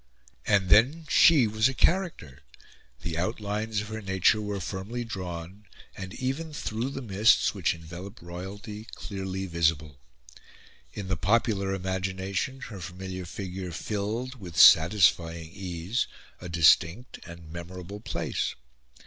And then, she was a character. The outlines of her nature were firmly drawn, and, even through the mists which envelop royalty, clearly visible. In the popular imagination her familiar figure filled, with satisfying ease, a distinct and memorable place.